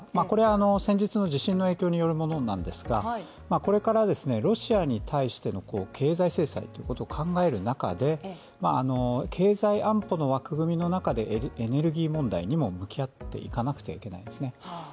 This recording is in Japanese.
これは先日の地震の影響によるものなんですがこれからロシアに対しての経済制裁ということを考える中で経済安保の枠組みの中でエネルギー問題にも向き合っていかなくてはいけないですね。